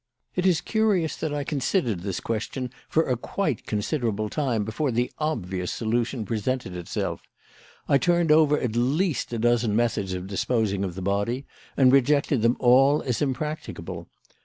"It is curious that I considered this question for a quite considerable time before the obvious solution presented itself. I turned over at least a dozen methods of disposing of the body, and rejected them all as impracticable.